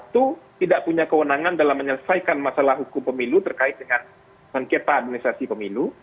satu tidak punya kewenangan dalam menyelesaikan masalah hukum pemilu terkait dengan sengketa administrasi pemilu